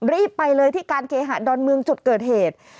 รีบไปเลยที่การเคหะดอนเมืองจุดเกิดเหตุ